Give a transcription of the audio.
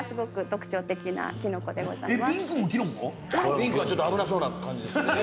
ピンクはちょっと危なそうな感じ。